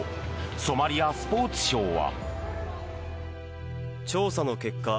ソマリアスポーツ省は。